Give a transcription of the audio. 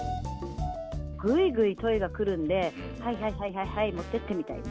ぐいぐいトイが来るんで、はいはいはい、はい、持ってってみたいな。